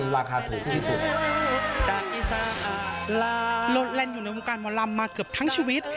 โหลดแลนด์อยู่ในวงการมรมมาเกือบทั้งชีวิต